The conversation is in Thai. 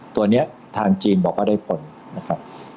ตัวนี้ทางจีนบอกว่าได้ผลนะครับ